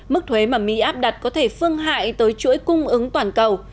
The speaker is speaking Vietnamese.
mức thuế mà mỹ áp đặt có thể phương hại tới chuỗi cung ứng toàn cầu